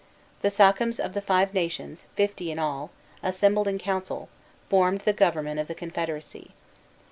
The sachems of the five nations, fifty in all, assembled in council, formed the government of the confederacy.